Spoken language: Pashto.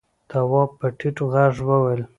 تواب په ټيټ غږ وويل: